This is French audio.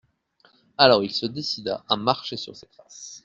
Alors il se décida à marcher sur ses traces.